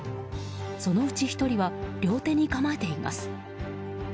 そのうち１人は両手に構えています。